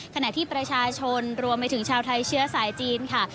ขณะที่ประชาชนรวมไปถึงชาวไทยเชื้อสายจีนค่ะ